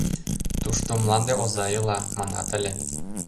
Тушто мланде оза ила, манат ыле.